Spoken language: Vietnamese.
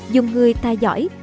dùng người ta giỏi